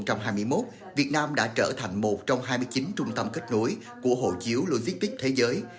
từ tháng năm năm hai nghìn hai mươi một việt nam đã trở thành một trong hai mươi chín trung tâm kết nối của hộ chiếu logistics thế giới